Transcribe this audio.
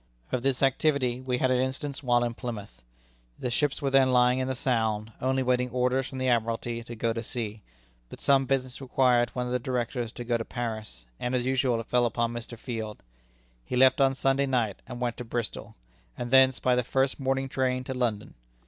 Of this activity we had an instance while in Plymouth. The ships were then lying in the Sound, only waiting orders from the Admiralty to go to sea; but some business required one of the Directors to go to Paris, and as usual, it fell upon Mr. Field. He left on Sunday night and went to Bristol, and thence, by the first morning train, to London.